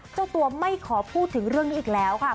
เจ้าตัวไม่ขอพูดถึงเรื่องนี้อีกแล้วค่ะ